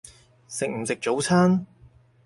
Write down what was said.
食唔食早餐？